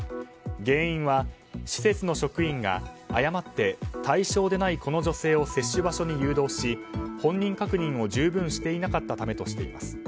原因は施設の職員が、誤って対象でないこの女性を接種場所に誘導し本人確認を、十分していなかったためとしています。